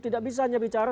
tidak bisa hanya bicara